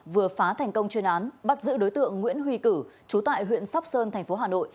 vừa phá thành công chuyên án bắt giữ đối tượng nguyễn huy cử chú tại huyện sóc sơn thành phố hà nội